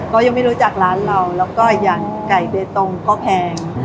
ก็ยังไม่รู้จักร้านเราแล้วก็อย่างไก่เบตงก็แพง